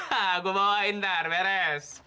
hah gua bawain ntar beres